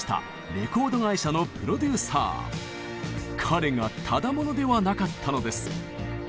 彼がただ者ではなかったのです。